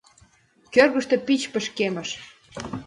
Кӧргыштӧ пич пычкемыш.